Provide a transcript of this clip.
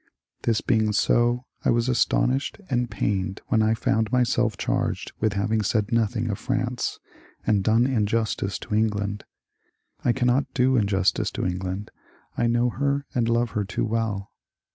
This being so, I was astonished and pained when I found myself charged with having said nothing of France and done injustice to England. I cannot do injustice to England. I know her and love her too well.